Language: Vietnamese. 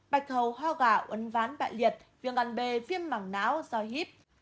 bạch hầu ho gạo ấn ván bại liệt viên ngăn bề viêm mảng não do hiếp